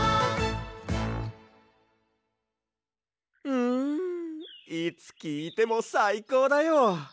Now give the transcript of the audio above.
うんいつきいてもさいこうだよ。